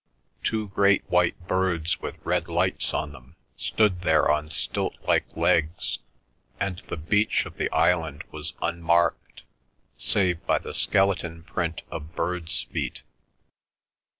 Two great white birds with red lights on them stood there on stilt like legs, and the beach of the island was unmarked, save by the skeleton print of birds' feet.